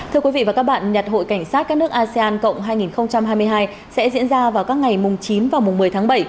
thưa quý vị và các bạn nhật hội cảnh sát các nước asean cộng hai nghìn hai mươi hai sẽ diễn ra vào các ngày chín và mùng một mươi tháng bảy